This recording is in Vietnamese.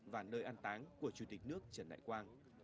và nơi an táng của chủ tịch nước trần đại quang